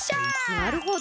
なるほど。